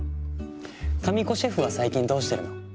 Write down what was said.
神子シェフは最近どうしてるの？